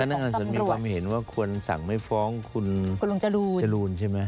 นักงานส่วนมีความเห็นว่าควรสั่งไม่ฟ้องคุณลุงจรูนจรูนใช่ไหม